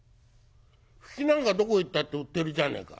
「ふきなんかどこ行ったって売ってるじゃねえか」。